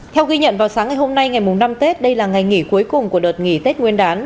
theo ghi nhận vào sáng ngày hôm nay ngày năm tết đây là ngày nghỉ cuối cùng của đợt nghỉ tết nguyên đán